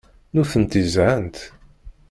Nutenti zhant.